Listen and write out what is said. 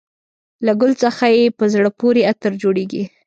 له ګل څخه یې په زړه پورې عطر جوړېږي.